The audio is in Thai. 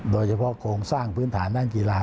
โดยเฉพาะโครงสร้างพื้นฐานด้านกีฬา